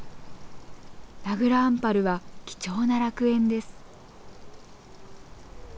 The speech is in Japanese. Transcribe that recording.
名蔵アンパルは貴重な楽園です。